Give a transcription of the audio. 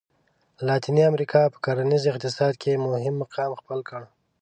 لاتیني امریکا په کرنیز اقتصاد کې مهم مقام خپل کړ.